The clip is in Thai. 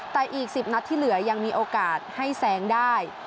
แต่อีก๑๐นัดที่เหลือยังมีโอกาสให้แซงได้